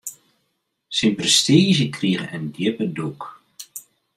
Syn prestiizje krige in djippe dûk.